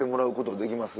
できますよ。